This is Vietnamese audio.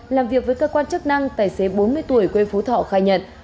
làm việc với cơ quan chức năng tài xế bốn mươi tuổi quê phú thọ khai nhận